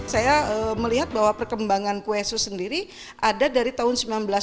saya melihat bahwa perkembangan kue sus sendiri ada dari tahun seribu sembilan ratus sembilan puluh